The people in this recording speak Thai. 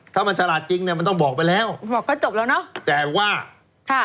ถ้ามันฉลาดจริงเนี้ยมันต้องบอกไปแล้วบอกก็จบแล้วเนอะแต่ว่าค่ะ